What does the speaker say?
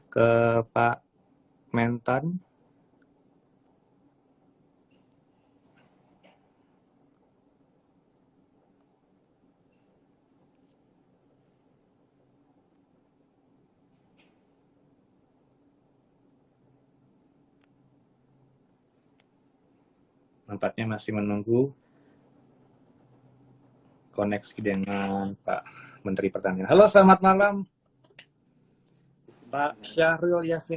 ke pak mentan